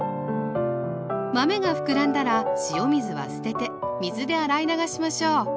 豆が膨らんだら塩水は捨てて水で洗い流しましょう。